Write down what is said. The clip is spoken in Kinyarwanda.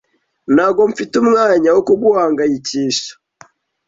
Ntabwo mfite umwanya wo kuguhangayikisha.